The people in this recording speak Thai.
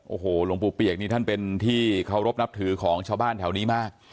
โอ้โหหลวงปู่เปียกนี่ท่านเป็นที่เคารพนับถือของชาวบ้านแถวนี้มาก